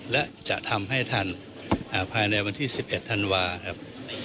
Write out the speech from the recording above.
และจะทำให้ทันภายในวันที่๑๑ธันวาครับ